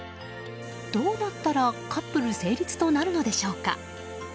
どうなったらカップル成立となるのでしょうか。